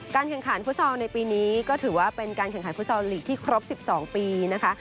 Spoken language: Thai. แข่งขันฟุตซอลในปีนี้ก็ถือว่าเป็นการแข่งขันฟุตซอลลีกที่ครบ๑๒ปีนะคะ